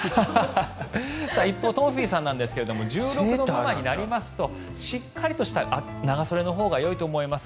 一方、東輝さんですが１６度未満になりますとしっかりとした長袖のほうがよいと思います。